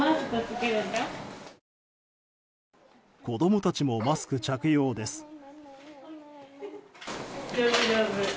子供たちもマスク着用です。